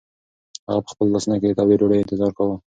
هغه په خپلو لاسو کې د تودې ډوډۍ انتظار کاوه.